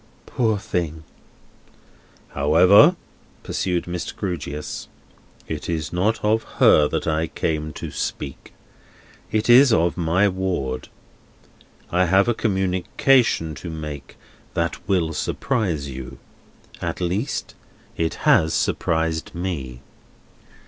"Poor thing!" "However," pursued Mr. Grewgious, "it is not of her that I came to speak. It is of my ward. I have a communication to make that will surprise you. At least, it has surprised me."